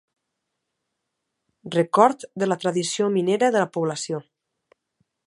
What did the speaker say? Record de la tradició minera de la població.